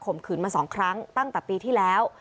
ขืนมา๒ครั้งตั้งแต่ปีที่แล้ว